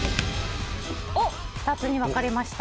２つに分かれました。